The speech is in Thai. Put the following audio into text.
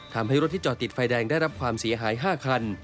ทำให้รถที่จอดติดไฟแดงได้รับความเสียหาย๕คัน